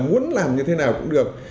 muốn làm như thế nào cũng được